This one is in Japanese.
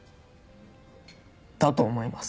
だと思います。